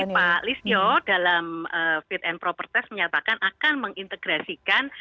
tapi pak lisio dalam fit and properties menyatakan akan mengintegrasikan